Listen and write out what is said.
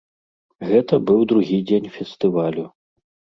Гэта быў другі дзень фестывалю.